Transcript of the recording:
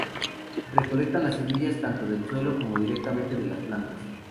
Recolectan las semillas tanto del suelo como directamente de las plantas.